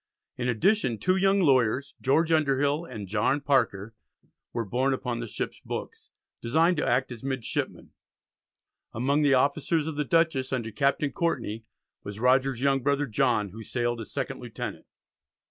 In addition two young lawyers, George Underhill and John Parker, were borne upon the ship's books, "designed to act as midshipmen." Among the officers of the Dutchess under Captain Courtney, was Rogers's young brother, John, who sailed as second lieutenant.